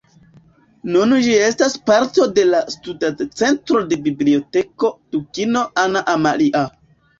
Nun ĝi estas parto de la studadcentro de Biblioteko Dukino Anna Amalia.